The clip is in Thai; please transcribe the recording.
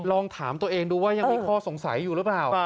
ลองถามตัวเองดูว่ายังมีข้อสงสัยอยู่หรือเปล่า